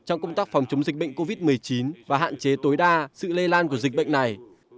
trong công tác phòng chống dịch bệnh covid một mươi chín và hạn chế tối đa sự lây lan của dịch bệnh này